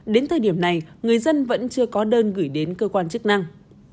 đến thời điểm này người dân vẫn chưa có đơn gửi đến cơ quan chức năng